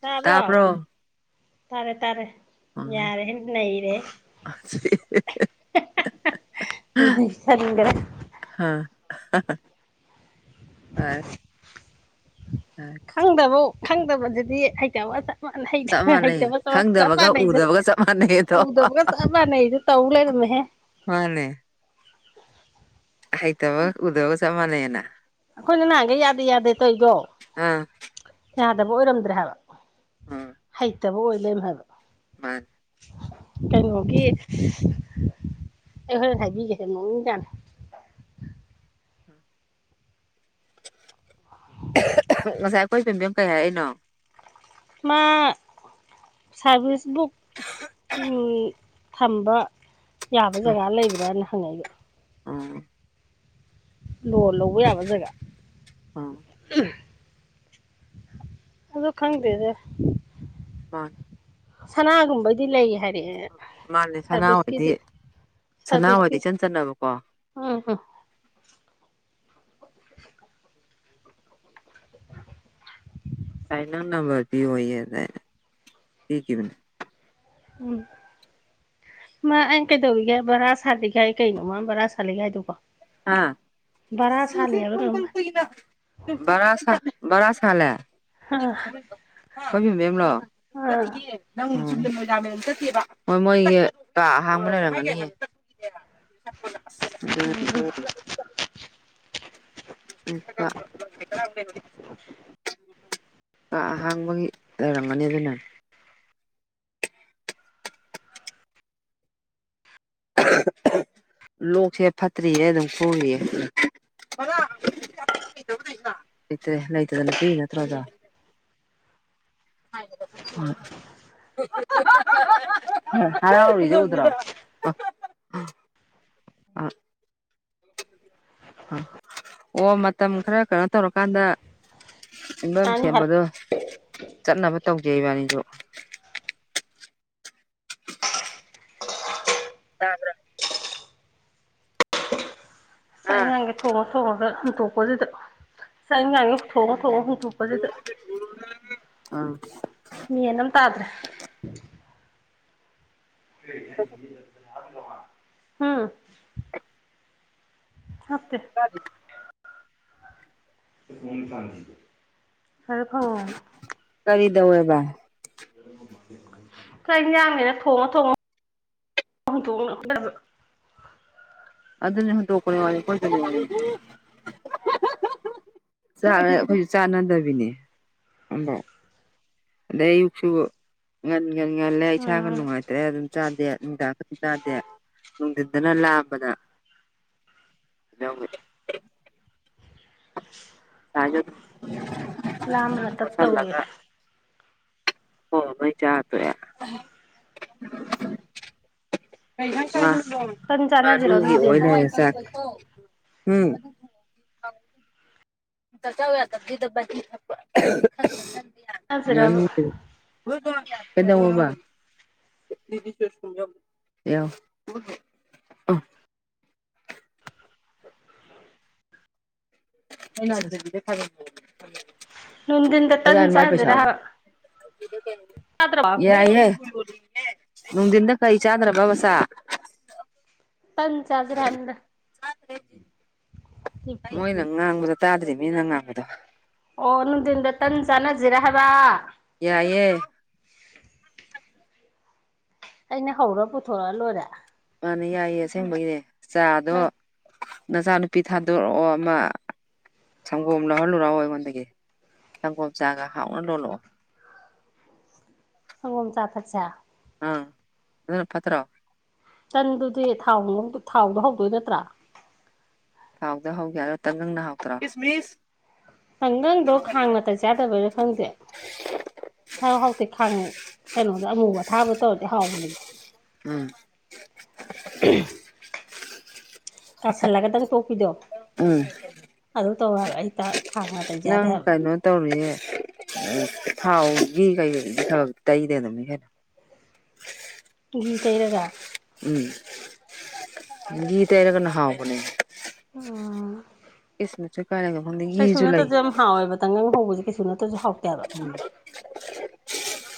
ꯇꯥꯕ꯭ꯔꯣ ꯇꯥꯔꯦ ꯇꯥꯔꯦ ꯎꯝ ꯌꯥꯔꯦ ꯍ ꯅ ꯔꯦ ꯑ ꯆꯗ꯭ꯔ ꯍ ꯈꯪꯗꯕ ꯈꯪꯗꯕꯗꯨꯗꯤ ꯍꯩꯇꯕ ꯞ ꯆꯞ ꯃꯥꯟꯅꯩ ꯍꯩꯇꯕ ꯆꯞ ꯈꯪꯗꯕꯒ ꯃꯥꯟꯅꯩꯗꯣ ꯎꯗꯕꯒ ꯆꯞ ꯃꯥꯟꯅꯩꯗꯣ ꯎꯗꯕꯒ ꯆꯞ ꯃꯥꯟꯅꯩꯗꯣ ꯇꯧ ꯂꯩꯔꯝ ꯍꯦ ꯍꯅꯦ ꯍꯥꯏꯥꯏ ꯇꯕ ꯎꯗꯒ ꯁꯃꯅ ꯌꯦꯅ ꯑꯩꯈꯣꯏꯅ ꯅꯍꯥꯟꯒ ꯌꯥꯗꯦ ꯌꯥꯗꯦ ꯇꯧ ꯑꯩꯀꯣ ꯑꯥ ꯌꯥꯗꯕ ꯑꯣꯏꯔꯝꯗ꯭ꯔꯦ ꯍꯥꯏꯕ ꯍꯩꯇꯕ ꯑꯣꯏ ꯂꯩꯝ ꯍꯥꯏꯕ ꯍ ꯀꯩꯅꯣꯒꯤ ꯑꯩ ꯍꯣꯏ ꯍꯥꯏꯕꯤꯒꯦꯁꯦ ꯃꯑꯣꯡꯖꯥꯅꯤ [inaudible] ꯉꯁꯥꯏ ꯑꯩꯈꯣꯏ ꯌꯨꯝꯕꯤꯝ ꯀꯩ ꯍꯥꯏꯛꯏꯅꯣ ꯃꯥ ꯁꯔꯚꯤꯁꯤꯁ ꯕꯨꯛ ꯊꯝꯕ ꯌꯥꯕ ꯖꯒꯥ ꯂꯩꯕ꯭ꯔꯥꯅ ꯍꯪꯉꯛꯏꯕ ꯎꯝ ꯂꯣꯟ ꯂꯧꯕ ꯌꯥꯕ ꯖꯒꯥ ꯎꯝ ꯑꯗꯣ ꯈꯪꯗꯦꯗ ꯑ ꯁꯅꯥꯒꯨꯝꯕꯗꯤ ꯂꯩ ꯍꯥꯏꯔꯛꯑꯦ ꯃꯥꯅꯦ ꯁꯅꯥꯍꯣꯏꯗꯤ ꯁꯔꯕꯤꯁꯀꯤꯗꯤ ꯁꯅꯥꯍꯣꯏꯗꯤ ꯁꯕꯤꯁꯀꯤ ꯏꯆꯟ ꯆꯟꯅꯕꯀꯣ ꯑ ꯐꯥꯏꯜ ꯅꯝꯕꯔ ꯄꯤ ꯑꯣꯏꯅ ꯄ ꯀꯅꯦ ꯎꯝ ꯃꯥ ꯑꯩꯅ ꯀꯩꯗꯧꯔꯤꯒꯦ ꯕꯔꯥ ꯁꯥꯠꯂꯤꯒꯥꯏ ꯀꯩꯅꯣ ꯃꯥ ꯕꯔꯥ ꯁꯥꯂꯤꯒ ꯍꯥꯏꯗꯨꯀꯣ ꯑ ꯀꯩꯅꯣꯝ ꯍꯥꯏ [unintelligible] [unintelligible] ꯕꯔ ꯕꯔꯁꯟ ꯈꯂꯦ ꯑꯥ ꯈꯣꯏꯕꯤ ꯃꯦꯝꯂꯣ ꯑꯥ ꯍꯣꯏ ꯃꯣꯏꯁꯦ ꯀ ꯑꯍꯥꯡꯕ ꯂꯩꯔꯝꯒꯅꯤ [inaudible] [inaudible] [inaudible] [inaudible] ꯀꯍꯥꯡꯕꯒꯤ ꯂꯩꯔꯝꯒꯅꯤ ꯑꯗꯨꯅ [inaudible] ꯂꯣꯛꯁꯦ ꯐꯠꯇ꯭ꯔꯤꯌꯦ ꯑꯗꯨꯝ ꯈꯣꯡꯏꯌꯦ ꯂꯩꯇꯦ ꯂꯩꯇꯗꯅꯄꯤꯤ ꯅꯠꯇ꯭ꯔꯣꯖ [inaudible] ꯍꯥꯏꯥꯎꯖꯗ꯭ꯔꯣ [unintelligible] [unintelligible] ꯑ ꯑꯣ ꯃꯇꯝ ꯈꯔ ꯀꯩꯅꯣ ꯇꯧꯔꯀꯥꯟꯗ ꯌꯨꯝꯐꯝ ꯀꯥꯅꯤ ꯍꯥꯏ ꯁꯦꯝꯕꯗꯣ ꯆꯠꯅꯕ ꯇꯧꯖꯩ ꯏꯕꯥꯅꯤꯁꯨ ꯇꯕ꯭ꯔꯣ ꯑꯥ ꯊꯉ ꯊꯣꯡꯉꯒ ꯍꯨꯟꯇꯣꯛꯄꯁꯤꯗ ꯆꯥꯡꯦꯉ [unintelligible] [unintelligible] ꯑꯥ ꯃꯦꯟ ꯑꯃ ꯇꯥꯗ꯭ꯔꯦ ꯎꯝ ꯅꯠꯇꯦ ꯍꯔ ꯐꯣꯟ ꯀꯗ ꯑꯦꯕꯥꯏ ꯀ ꯌꯥꯝꯃꯦꯅ ꯊꯣꯡꯉꯣ ꯊꯣꯡꯉ ꯑ ꯇꯅ ꯏꯗꯅꯦ ꯍ ꯇꯀꯔ ꯋꯥꯦꯖꯅꯦ [unintelligible] ꯑꯩꯈꯣꯏꯁꯨ ꯆꯥꯟꯅꯗꯕꯤꯅꯦ ꯑꯗꯩ ꯑꯌꯨꯛꯁꯨ ꯉꯟ ꯉ ꯉꯜꯂꯦ ꯏꯁꯥꯒ ꯎꯝ ꯅꯨꯡꯉꯥꯏꯇ꯭ꯔꯦ ꯑꯗꯨꯝ ꯆꯥꯗꯦ ꯗꯥꯡ ꯆꯥꯗꯦ ꯅꯨꯡꯊꯤꯟꯗꯅ ꯂꯥꯛꯑꯝꯕꯗ ꯏꯅ ꯎ ꯍꯥꯏꯦ ꯑꯗꯨ ꯂꯃ ꯂ ꯇ ꯇꯧꯋꯦ ꯍ ꯃ ꯆꯥ ꯇ ꯇꯟ ꯆꯥꯟꯅꯁꯤꯔꯣ ꯃꯥꯅꯒꯤ ꯅꯨꯡꯊꯤꯟ ꯑꯣꯏꯅꯦ ꯆ ꯎꯝ ꯆꯧꯋ ꯌꯥ ꯗꯕꯤ ꯗ ꯊꯄ ꯆꯥꯟꯅꯁꯤꯔꯕ ꯀꯗ ꯋꯥꯕ [inaudible] ꯍꯩꯅꯗꯗꯒꯤ ꯊꯕꯛ ꯅꯗꯤꯟꯗ ꯇꯟꯁ ꯍꯖꯔ ꯄꯩꯁꯥꯕꯨ ꯍꯥ ꯌꯥꯏꯌꯦ ꯅꯨꯡꯊꯤꯟꯗ ꯀꯔꯤ ꯆꯥꯗ꯭ꯔꯕꯕꯁꯥ ꯄꯟ ꯆꯥꯖ ꯔꯍꯃꯗ ꯃꯣꯏꯅ ꯉꯥꯡꯕꯗꯣ ꯇꯥꯗ꯭ꯔꯤ ꯃꯤꯅ ꯉꯥꯡꯕꯗꯣ ꯑꯣ ꯅꯗꯤꯟꯗ ꯇꯟ ꯆ ꯅꯖꯖꯤꯔ ꯍꯥꯏꯕ ꯌꯥꯏꯑꯦ ꯑꯩꯅ ꯍꯧꯔ ꯄꯨꯊꯣꯔꯛꯑ ꯂꯣꯏꯔꯦ ꯃꯥꯅꯦ ꯌꯥꯏꯌꯦ ꯑꯁꯦꯡꯕꯒꯤꯅꯦ ꯆꯥꯗꯣ ꯅꯪ ꯅꯆꯥꯅꯨꯄꯤ ꯊꯥꯗꯣꯔꯛꯑꯣ ꯑꯃ ꯁꯪꯒꯣꯝ ꯂꯧꯍꯜꯂꯨꯔꯛꯑꯣ ꯑꯩꯉꯣꯟꯗꯒꯤ ꯁꯪꯒꯣꯝ ꯆꯥꯒ ꯍꯥꯎꯅ ꯂꯣꯜꯂꯛꯑꯣ ꯑꯣꯝ ꯆꯠꯠꯆꯥ ꯑꯥ ꯑꯗꯨꯅ ꯄꯠꯇꯔꯣ ꯆꯟꯗꯨꯗꯤ ꯊꯥꯎ ꯊꯥꯎꯗꯣ ꯍꯧꯗꯣꯏ ꯅꯠꯇ꯭ꯔꯥ ꯐꯥꯎꯗ ꯍꯧꯒꯦꯔꯇ ꯅꯪꯅ ꯍꯥꯎꯇ꯭ꯔ ꯈꯪꯒꯪꯗꯣ ꯈꯥꯡ ꯉꯇ ꯆꯥꯗꯕꯔ ꯈꯪꯗꯦ ꯍꯥꯎ ꯍꯥꯎꯇꯤ ꯈꯥꯡꯉ ꯀꯩꯅꯣꯗ ꯑꯃꯨꯕ ꯊꯥꯕ ꯇꯧꯔꯗꯤ ꯍꯥꯎꯕꯅꯦ ꯑ ꯎꯝ ꯇꯥꯁꯜꯂꯒꯗꯪ ꯇꯣꯛꯄꯤꯗꯣ ꯎꯝ ꯑꯗꯨ ꯇꯧꯋꯦꯕ ꯑꯩ ꯈꯥꯡ ꯉꯇꯩꯩꯖꯥꯗꯦ ꯍꯥꯏꯕ ꯎ ꯊꯥꯎꯒꯤ ꯀꯩꯕ ꯇꯩꯗ ꯑꯗꯨꯝꯅꯤ ꯈꯩꯅꯣ ꯒꯤꯘ ꯀꯩꯔꯒ ꯎꯝ ꯒꯤ ꯇꯔꯒꯅ ꯍꯥꯎꯕꯅꯦ ꯎꯝ ꯀꯤꯁꯃꯤꯁꯁꯨ ꯀꯥꯏ ꯂꯩꯒꯦ ꯈꯪꯗꯦ ꯀꯩꯁꯨ ꯘꯤꯁꯨ ꯂꯩ ꯅꯠꯇꯁꯨ ꯌꯥꯝ ꯍꯥꯎꯋꯦꯕꯇꯪꯅ ꯍꯧꯕꯁ ꯀꯩꯁꯨ ꯅꯠꯇ꯭ꯔꯁꯨ ꯍꯥꯎ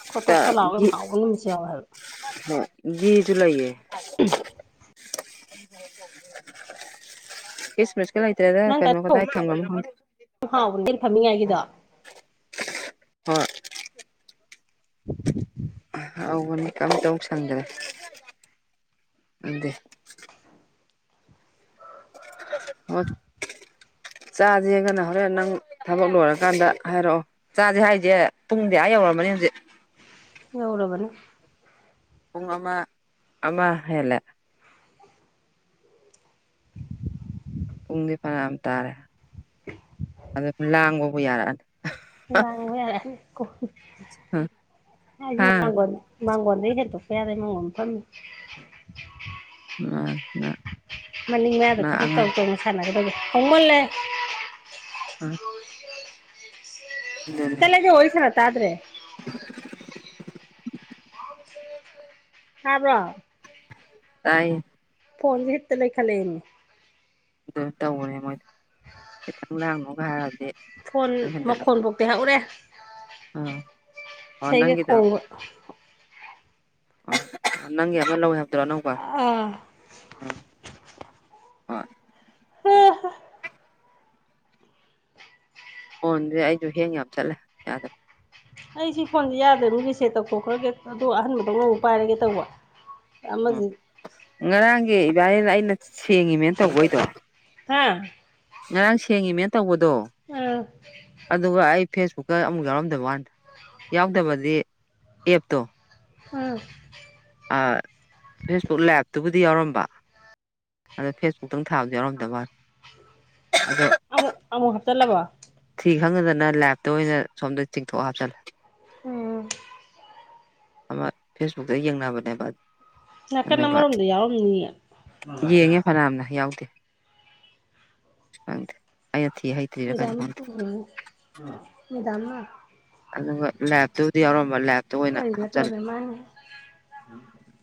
ꯈꯣꯠꯇꯣꯛꯀ ꯎꯝ ꯂꯥꯎꯒ ꯌꯥꯝ ꯍꯥꯎꯕ ꯅꯨꯃꯤꯠꯁꯨ ꯌꯥꯎꯋꯦ ꯍꯥꯏꯕ ꯒꯤ ꯒꯤ ꯂꯥꯏꯌꯦ [inaudible] ꯏꯁ ꯃꯁ ꯀꯂ ꯏꯇꯔꯦꯗ ꯅꯪ ꯀꯃ ꯀꯩꯅꯣ ꯇꯧꯕ ꯀꯗꯃꯃ ꯌꯥꯝ ꯍꯥꯎꯕꯅꯦ ꯌꯦꯟ ꯐꯝꯃꯤꯉꯥꯏꯒꯤꯗꯣ ꯍꯣꯏ [inaudible] ꯇꯧꯕꯅꯤ ꯑꯝꯇꯧꯁꯟꯗ꯭ꯔꯦ ꯑꯗꯨ ꯍꯣꯏ [inaudible] ꯆꯥꯁꯦꯒꯅ ꯍꯣꯔꯦꯟ ꯅꯪ ꯊꯕꯛ ꯂꯣꯏꯔꯀꯥꯟꯗ ꯍꯥꯏꯔꯛꯑꯣ ꯆꯥꯁꯦ ꯍꯥꯏꯁꯦ ꯄꯨꯡꯗꯤ ꯑꯥ ꯌꯧꯔꯃꯅꯤꯅ ꯦ ꯌꯧꯔꯕꯔꯕꯅꯤ ꯄꯨꯡꯨꯡ ꯑꯃ ꯑꯃ ꯍꯂ [inaudible] ꯄꯨꯡꯗꯤ ꯐꯔ ꯌꯥꯝ ꯇꯥꯔꯦ ꯑꯗꯨ ꯂꯥꯡꯕꯕꯨ ꯌꯥꯔꯛꯑꯅꯤ ꯂꯉꯣ ꯑꯩ ꯍꯥ ꯃꯒꯣꯟ ꯃꯥꯡꯒꯣꯟꯗ ꯍꯦꯛꯇꯣꯛꯄ ꯌꯥꯔꯦ ꯃꯥꯡꯣꯟ ꯐꯝꯃꯤ ꯃꯥ ꯃꯅꯤꯡ ꯃꯌꯥꯗ ꯅ ꯊꯕꯛ ꯇꯧ ꯑꯉꯥꯡ ꯇꯧꯅ ꯁꯥꯟꯅꯒꯗꯕ ꯎꯃ ꯂꯩꯦ ꯑꯥ ꯆꯂꯒꯦ ꯍꯣꯣꯏꯁꯂ ꯇꯗ꯭ꯔꯦ ꯁꯥꯕ꯭ꯔꯣ ꯇꯥꯏ ꯐꯣꯟꯁ ꯍꯦꯠꯇ ꯂꯩ ꯈ ꯂꯩꯅꯤ ꯑꯗꯨ ꯇꯧꯔꯦ ꯃꯣꯏꯗꯣ ꯈꯤꯇꯪ ꯂꯥꯡꯅꯨꯒ ꯍꯥꯏꯔꯕꯗꯤ ꯐꯣꯟ ꯃꯈꯣꯟꯐꯥꯎꯇꯤ ꯍꯧꯎꯔꯦ ꯑꯥ ꯑꯣ ꯁꯒꯦ ꯀꯣꯕ ꯑ ꯅꯪꯒꯤ ꯑꯃ ꯂꯧꯋꯦ ꯍꯥꯏꯕꯗꯨꯔꯣ ꯑꯅꯧꯕ ꯑꯥ ꯎ ꯍꯣꯏ ꯑꯣꯟꯗꯤꯦ ꯑꯩꯁꯨ ꯍꯌꯦꯡ ꯌꯥꯝ ꯆꯠꯂꯦ ꯌꯥꯗ꯭ꯔꯦ ꯑꯩ ꯁꯤ ꯐꯣꯟꯗꯤ ꯌꯥꯗꯣꯏꯅꯨ ꯔꯤꯁꯦꯠ ꯇꯧꯊꯣꯛꯈ꯭ꯔꯒꯦ ꯑꯗꯨꯗ ꯑꯍꯟꯕꯗꯧꯅ ꯑꯃꯨꯛ ꯄꯥꯏꯔꯒꯦ ꯇꯧꯕ ꯎ ꯑꯃꯁꯤ ꯉꯔꯥꯡꯒꯤ ꯏꯕꯥꯅꯤꯅ ꯑꯩꯅ ꯁꯦꯡꯉꯤꯅꯦꯅ ꯇꯧꯕꯩꯗꯣ ꯍꯥꯥ ꯉꯔꯥꯡ ꯁꯦꯡꯉꯤꯅꯦꯅ ꯇꯧꯕꯗꯣ ꯑꯥ ꯑꯗꯨꯒ ꯑꯩ ꯐꯦꯁꯕꯨꯛꯀ ꯑꯃꯨꯛ ꯌꯥꯎꯔꯝꯗꯕ ꯋꯥꯥꯟꯗ ꯌꯥꯎꯗꯕꯗꯤ ꯑꯦꯞꯇꯣ ꯍꯥ ꯐꯦꯁꯕꯨꯛ ꯂꯥꯏꯞꯇꯨꯕꯨꯗꯤ ꯌꯥꯎꯔꯝꯕ ꯑꯗꯣ ꯐꯦꯁꯕꯨꯛꯇꯨ ꯊꯥꯕꯁꯨ ꯌꯥꯎꯔꯝꯗ ꯃꯥ ꯑꯃꯨ ꯑꯃꯨ ꯍꯥꯇꯥ ꯂꯕ ꯈꯪꯉꯗꯅ ꯂꯥꯏꯞꯇ ꯑꯣꯏꯅ ꯁꯣꯝꯗ ꯆꯤꯡꯊꯣꯛ ꯍꯥꯞꯆꯤꯜꯂꯦ ꯎꯝ ꯑꯃ ꯐꯦꯁꯕꯨꯛꯇ ꯌꯦꯡꯅꯕꯅꯦꯕ ꯅꯥꯀꯟ ꯑꯗꯨꯒ ꯑꯃꯔꯣꯝꯗ ꯌꯥꯎꯔꯝꯅꯤꯌꯦ ꯌꯦꯡꯉꯦ ꯐꯅꯌꯥꯝꯅ ꯌꯥꯎꯗꯦ ꯑ ꯊ ꯇꯔꯤꯔ ꯀ ꯐ ꯎꯝ ꯃꯗꯥꯝ ꯑꯗꯨꯒ ꯂꯦꯞꯇꯨꯕꯨꯗꯤ ꯌꯥꯎꯔꯝꯕ ꯂꯦꯞꯇꯨ ꯑꯣꯏꯅ ꯑꯩ ꯍꯥꯞꯆꯜꯂꯦ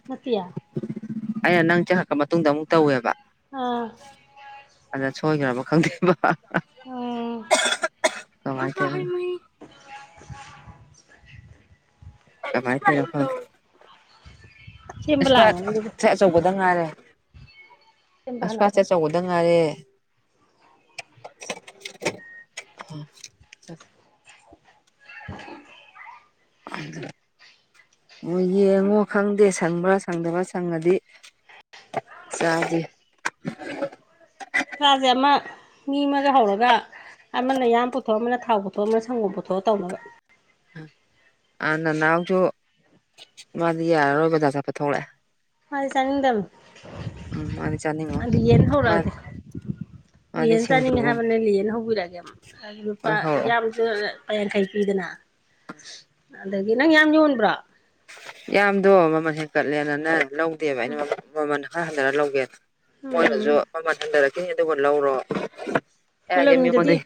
ꯃꯠꯇꯌꯥ ꯑꯩꯅ ꯅꯪ ꯆꯦꯛꯂꯛꯄ ꯃꯇꯨꯡꯗ ꯑꯃꯨꯛ ꯇꯧꯋꯦꯕ ꯑꯥ ꯑꯗ ꯁꯣꯏꯈ꯭ꯔꯕ ꯈꯗꯕ ꯑꯣ ꯀꯃꯥꯏ [inaudible] ꯀꯃꯥꯏ ꯐꯄꯥ ꯁꯦꯝꯕ ꯂꯥꯛꯑꯝꯒꯅꯤ ꯑꯗꯨꯒ ꯆꯄ ꯉꯥꯏꯔꯦ ꯁꯦꯝꯕ ꯑꯁꯄꯥꯠ ꯍꯜꯂꯛꯄ ꯑꯆꯧꯕꯗ ꯉꯥꯏꯔꯦ ꯑ ꯆ [inaudible] ꯑꯗ ꯑꯣ ꯌꯦꯡꯉꯣ ꯈꯪꯗꯦ ꯁꯪꯕ꯭ꯔꯥ ꯁꯪꯗꯕ꯭ꯔꯥ ꯁꯪꯉꯗꯤ ꯆꯗꯤꯦ ꯉꯥꯁꯦ ꯑꯃ ꯃꯤ ꯑꯃꯒ ꯍꯧꯔꯒ ꯑꯃꯅ ꯌꯥꯝ ꯄꯨꯊꯣꯔꯑ ꯑꯃꯅ ꯊꯥꯎ ꯄꯨꯊꯣꯛꯑ ꯑꯃꯅ ꯁꯪꯒꯣꯝ ꯄꯨꯊꯣꯔꯑ ꯇꯧꯅꯕ ꯑ ꯅꯅꯥꯎꯁꯨ ꯃꯥꯗꯤ ꯌꯥꯔꯔꯣꯏ ꯕꯖꯥ ꯆꯠꯄ ꯊꯣꯛꯂꯛꯑꯦ ꯃꯥꯗꯤ ꯆꯉꯗꯝ ꯎꯝ ꯃꯥꯗꯤ ꯆꯥꯅꯤꯡꯉꯣꯏ ꯑꯗ ꯌꯦꯟ ꯃꯥ ꯍꯧꯔꯗ ꯃꯥꯗꯤ ꯂꯍꯦꯟ ꯆꯥꯅꯤꯡꯉꯦ ꯁꯤꯡꯖꯨꯒꯨꯝ ꯍꯥꯏꯕꯅꯦ ꯂꯍꯅ ꯍꯧꯕꯤꯔꯛꯑꯒꯦ ꯂꯨꯄꯥ ꯑꯣꯏ ꯍꯧꯔꯛꯑꯣ ꯌꯥꯝ ꯂꯄꯥ ꯌꯥꯡꯈꯩ ꯄꯤꯗꯅ ꯑꯗꯒꯤ ꯅꯪ ꯌꯥꯝ ꯌꯣꯟꯕ꯭ꯔꯣ ꯌꯥꯝꯗꯣ ꯃꯃꯜ ꯍꯦꯟꯀꯠꯂꯦꯅꯅ ꯂꯧꯗꯦꯕ ꯑꯩꯅ ꯃꯃꯜ ꯑ ꯍꯟꯊꯔ ꯂꯧꯒꯦ ꯃꯣꯏꯅꯁꯨ ꯎꯝ ꯃꯃꯜ ꯍꯟꯊꯔꯛꯈꯤꯅꯤ ꯑꯗꯨꯕꯨ ꯂꯧꯔꯣ ꯑꯩ ꯍꯥꯏꯁꯦ ꯀꯣꯂꯝꯗꯨꯗꯗꯤ ꯃꯤꯉꯣꯟꯗꯩ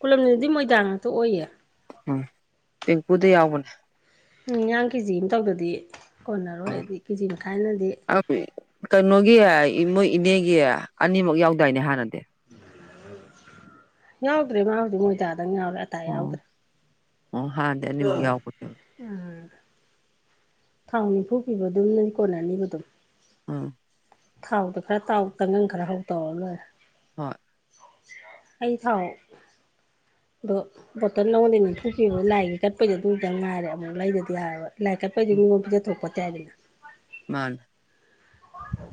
ꯀꯣꯂꯝꯗꯨꯗꯗꯤ ꯃꯣꯏꯗꯥꯡ ꯉꯥꯛꯇ ꯑꯣꯏꯌꯦ ꯎꯝ ꯄꯦꯡꯀꯨꯗ ꯌꯥꯎꯕꯅꯦ ꯎꯝ ꯌꯥꯌꯥꯡ ꯀꯦꯖꯤ ꯑꯃ ꯇꯧꯗꯗꯤ ꯀꯣꯟꯅꯔꯣꯏ ꯑꯗꯤ ꯀꯦꯖꯤ ꯃꯈꯥꯏꯅꯗꯤ ꯑ ꯀꯣꯒꯤ ꯏꯅꯦꯒꯤ ꯑꯅꯤꯃꯛꯨ ꯌꯥꯎꯗꯥꯏꯅꯦ ꯍꯥꯟꯅꯗꯤ ꯌꯥꯎꯗ꯭ꯔꯦ ꯃꯥ ꯍꯧꯗꯤ ꯃꯣꯏꯖꯥꯗꯪ ꯌꯥꯎꯔꯦ ꯑꯇꯥ ꯑꯣ ꯌꯥꯎꯗ꯭ꯔꯦ ꯑꯣ ꯍꯥ ꯗꯅꯤ ꯃ ꯌꯥꯎ ꯀꯠꯇ ꯎꯝ ꯊꯥꯎ ꯅꯤꯐꯨ ꯄꯤꯕ ꯑꯗꯨꯝ ꯅꯣꯏ ꯀꯣꯟꯅꯅꯤꯕ ꯑꯗꯨꯝ ꯑꯥ ꯊꯥꯎꯗꯣ ꯈꯔ ꯇꯥꯎ ꯇꯪꯒꯪ ꯈꯔ ꯍꯧ ꯇꯧꯔ ꯂꯣꯏꯔꯦ ꯍꯣꯏ ꯑꯩ ꯊꯥꯎ ꯑꯗꯣ ꯕꯣꯇꯜ ꯂꯧꯣꯟꯗꯅꯤ ꯊꯣꯛꯄꯤ ꯂꯥꯏꯒꯤ ꯀꯠꯄꯩꯗꯣ ꯑꯗꯨꯝꯇ ꯉꯥꯏꯔꯦ ꯑꯃꯨꯛ ꯂꯩꯗꯗꯤ ꯌꯥꯔꯣꯏ ꯂꯥꯏꯛ ꯀꯦꯄꯩ ꯉꯣꯝ ꯄꯤꯖꯊ ꯊꯣꯛꯄ ꯆꯦ ꯍꯥꯏꯗꯅ ꯃꯥꯅ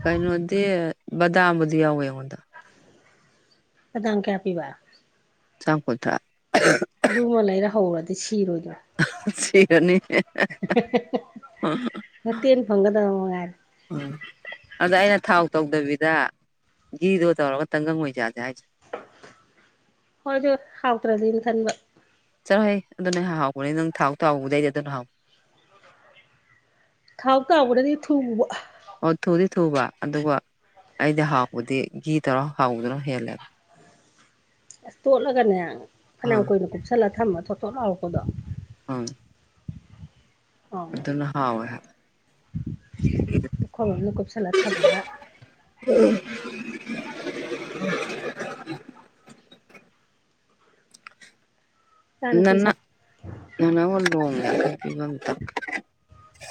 ꯀꯩꯅꯩꯅꯗꯤ ꯗꯥꯝꯗꯤꯌꯥ ꯑꯣꯏꯦ ꯍꯗ ꯑꯗꯥꯥꯡ ꯀꯌꯥꯄꯤꯕ ꯀꯣꯊ ꯑꯗꯨꯃ ꯂꯩꯔ ꯍꯧꯔꯗꯤ ꯁꯤꯔꯣꯏꯗ꯭ꯔꯣ ꯁꯤꯔꯅꯤ ꯃꯠꯇꯅ ꯐꯪꯗ ꯌꯥꯔ ꯑꯗ ꯑꯩꯅ ꯊꯥꯎ ꯇꯧꯗꯕꯤꯗ ꯒꯤꯗꯣ ꯇꯧꯔꯒ ꯇꯪꯒꯪ ꯑꯣꯏꯖꯥꯁꯦ ꯍꯥꯏꯁꯦ ꯍꯣꯏꯗ ꯍꯥꯎꯇ꯭ꯔꯗꯤꯅ ꯈꯟꯕ ꯆꯠꯂꯣ ꯍꯣꯏ ꯑꯗꯨꯣ ꯅꯪ ꯍꯥꯎꯕꯅꯦ ꯅꯪ ꯊꯥꯎ ꯊꯥꯎꯧꯕꯗꯩꯗꯤ ꯑꯗꯨ ꯅ ꯍꯥꯎ ꯊꯥꯎ ꯇꯥꯕꯅꯗꯤ ꯊꯨꯕ ꯑꯣꯊꯗꯤ ꯊꯨꯕ ꯑꯗꯨꯒ ꯑꯩꯗꯤ ꯍꯥꯎꯕꯗꯤ ꯘꯤ ꯇꯔ ꯍꯥꯎꯗꯨꯅ ꯍꯦꯜꯂꯦꯕ ꯑꯁ ꯇꯣꯠꯂꯒꯅꯦ ꯐꯅꯌꯥꯝ ꯑꯥ ꯀꯨꯏꯅ ꯀꯨꯞꯁꯜꯂ ꯊꯝꯃ ꯊꯣ ꯊꯣꯠ ꯂꯥꯎꯔꯛꯄꯗꯣ ꯑ ꯑꯗꯨꯅꯍꯥꯑꯣꯍ ꯈꯔꯅ ꯀꯞ ꯁꯥꯂ ꯊꯥꯕꯣꯅ ꯏꯆꯥꯅꯨꯄꯤ ꯅꯟꯅ ꯁꯛ ꯉꯅꯥꯒ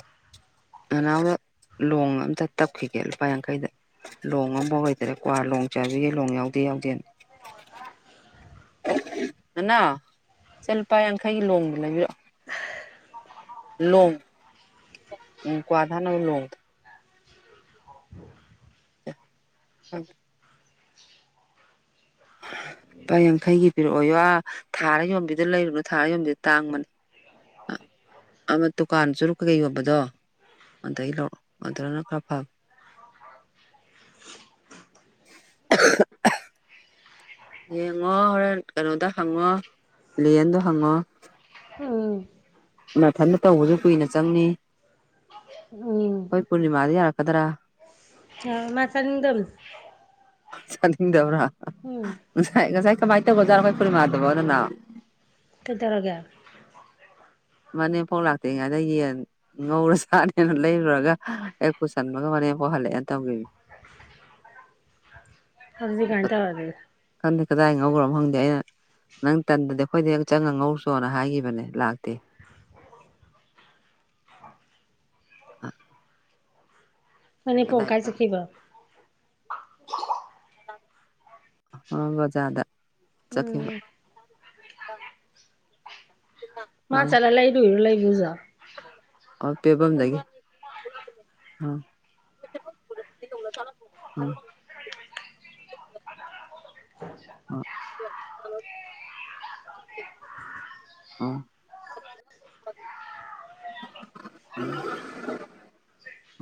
[unintelligible] ꯑꯅ ꯍꯧꯒ ꯂꯣꯡ ꯑꯝꯇ ꯇꯞꯈꯤꯒꯦ ꯂꯨꯄꯥ ꯌꯥꯡꯈꯩꯗ ꯂꯣꯡ ꯑꯃꯐꯥꯎ ꯂꯩꯇꯔꯦ ꯀ꯭ꯋꯥ ꯂꯣꯡ ꯆꯥꯕꯤꯒꯦ ꯂꯣꯡ ꯌꯥꯎꯗꯦ ꯌꯥꯎ ꯗꯦꯟ ꯑꯣ ꯅꯅꯥ ꯁꯦ ꯂꯨꯄꯥ ꯌꯥꯡꯈꯩꯒꯤ ꯂꯣꯡꯗ ꯂꯩꯕꯤꯔꯛꯑꯣ ꯂꯣꯡ ꯎ ꯀꯋꯥꯊꯥ ꯂꯣ ꯍ [unintelligible] ꯂꯨꯄꯥ ꯌꯥꯡꯈꯩꯒꯤ ꯄꯤꯔꯛꯑꯣ ꯌꯥ ꯊꯥꯔ ꯌꯣꯟꯕꯤꯗ ꯂꯩꯔꯨꯅꯨ ꯊꯥꯔ ꯌꯣꯟꯝꯕꯤꯗ ꯇꯥꯡꯕꯅꯦ ꯑꯃ ꯗꯨꯀꯥꯟ ꯆꯨꯔꯛꯀꯒꯦ ꯌꯣꯟꯕꯗꯣ ꯑꯗꯩ ꯂꯧꯔꯑꯣ ꯑꯗꯨꯅ ꯈꯔ ꯐꯕ [unintelligible] [unintelligible] ꯌꯦꯡꯉꯣ ꯍꯣꯔꯦꯟ ꯀꯩꯅꯣꯗ ꯍꯪꯉꯣ ꯂꯦꯟꯗꯣ ꯍꯪꯉꯣ ꯎꯝ ꯃꯊꯟꯗ ꯇꯧꯕꯁꯨ ꯀꯨꯏꯅ ꯆꯪꯅꯤ ꯎꯝ ꯈꯣꯏ ꯄꯨꯔꯅꯤꯃꯥꯗ ꯌꯥꯔꯛꯀꯗ꯭ꯔꯥ ꯑꯥꯥ ꯃꯥꯆꯥꯅꯤꯡꯗꯝ ꯆꯥꯅꯤꯡꯗꯕ꯭ꯔꯥ ꯉꯁꯥꯏ ꯉꯁꯥꯏ ꯀꯃꯥꯏ ꯇꯧꯒꯔ꯭ ꯖꯥꯠꯅꯣ ꯈꯣꯏ ꯄꯨꯔꯅꯤꯃꯥꯗꯨꯕꯣ ꯅꯅꯥꯎ ꯀꯗꯧꯔꯒꯦ ꯃꯅꯦꯝꯄꯣꯛ ꯂꯥꯛꯇ꯭ꯔꯤꯉꯥꯏꯗ ꯌꯦꯟ ꯉꯧꯔ ꯆꯥꯅꯦꯅ ꯂꯩꯔꯨꯔꯒ ꯍꯦꯛ ꯄꯨꯁꯟꯕꯒ ꯍꯣꯔꯦ ꯅꯦꯝꯄꯣꯛ ꯍꯜꯂꯛꯑꯦꯅ ꯇꯧꯈꯤꯝꯅꯤ ꯑꯗꯨꯗꯤ ꯀꯃꯥꯏ ꯇꯧꯔꯒꯦ ꯉꯧꯈ꯭ꯔꯕ ꯈꯪꯗꯦ ꯑꯩꯅ ꯅꯪ ꯇꯟꯗꯗꯤ ꯑꯩꯈꯣꯏꯗ ꯍꯦꯛ ꯆꯪꯉ ꯉꯧꯔꯨꯆꯣꯅ ꯍꯥꯏꯈꯤꯕꯅꯦ ꯂꯥꯛꯇꯦ ꯑ ꯃꯅꯦꯝꯄꯣꯛꯅ ꯀꯗꯥꯏ ꯀꯥꯢ ꯆ ꯆꯠꯈꯤꯕꯥ ꯑꯥꯍ ꯕꯖꯥꯔ ꯗ ꯆꯠꯈꯤꯕꯥ ꯎꯝ ꯃꯥ ꯆꯠꯂꯥ ꯂꯩꯔꯨꯏꯔꯣ ꯂꯩꯕꯗꯨꯖꯨ ꯑꯣ ꯄꯦꯕꯝꯗꯒꯤ ꯑ ꯎꯝ ꯑ ꯑꯗꯣ [inaudible] ꯑꯥ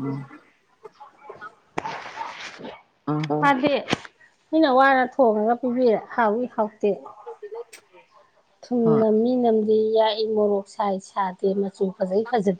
ꯎꯝ ꯍꯥꯏꯕꯗꯤ ꯃꯤꯅ ꯋꯥꯅ ꯊꯣꯡꯉꯒ ꯄꯤꯕꯤꯔꯦ ꯍꯥꯎꯏ ꯍꯥꯎꯇ ꯍꯣꯏ ꯊꯨꯝꯅ ꯃꯤ ꯅꯝ ꯁꯤꯌꯥꯛꯏ ꯃꯣꯔꯣꯛ ꯁꯥꯏ ꯁꯥꯗꯦ ꯃꯆꯨ ꯐꯖꯩ ꯐꯖꯗꯦ